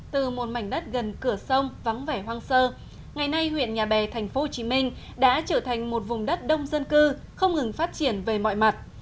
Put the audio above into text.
từ một mảnh đất gần cửa sông vắng vẻ hoang sơ ngày nay huyện nhà bè tp hcm đã trở thành một vùng đất đông dân cư không ngừng phát triển về mọi mặt